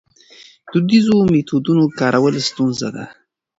د دودیزو میتودونو کارول ستونزمن دي.